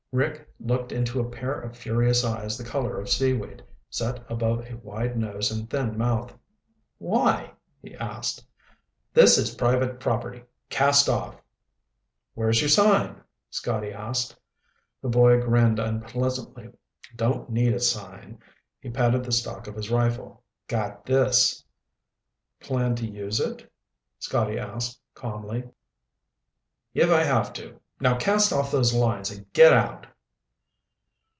Rick looked into a pair of furious eyes the color of seaweed, set above a wide nose and thin mouth. "Why?" he asked. "This is private property. Cast off." "Where's your sign?" Scotty asked. The boy grinned unpleasantly. "Don't need a sign." He patted the stock of his rifle. "Got this." "Plan to use it?" Scotty asked calmly. "If I have to. Now cast off those lines and get out."